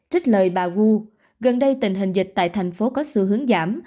trích lời bà wu gần đây tình hình dịch tại thành phố có sự hướng giảm